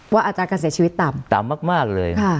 อาจารย์การเสียชีวิตต่ำต่ำมากเลย